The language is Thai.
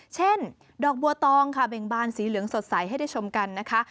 เช่นดอกบัวตองค่ะเบ่งบานสีเหลืองสดใสให้ได้ชมกันนะคะ